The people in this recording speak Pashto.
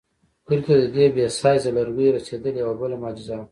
کلیو ته د دې بې سایزه لرګیو رسېدل یوه بله معجزه وه.